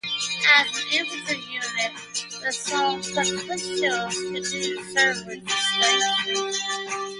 As an infantry unit, the San Patricios continued to serve with distinction.